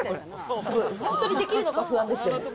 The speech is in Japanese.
すごい、本当にできるのか不安ですけど。